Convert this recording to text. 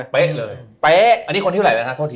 เป๊ะเลยอันนี้คนที่เวลาแล้วเธอถ้าโทษที